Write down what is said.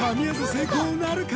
成功なるか？